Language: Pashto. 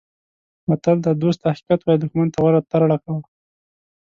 متل دی: دوست ته حقیقت وایه دوښمن ته غوره ترړه کوه.